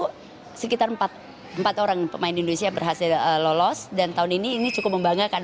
itu sekitar empat orang pemain indonesia berhasil lolos dan tahun ini ini cukup membanggakan